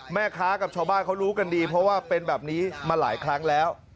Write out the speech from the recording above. แม่ค้ากับชาวบ้านเขารู้กันดีเพราะว่าเป็นแบบนี้มาหลายครั้งแล้ว